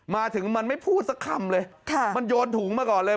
มาถึงมันไม่พูดสักคำเลยมันโยนถุงมาก่อนเลย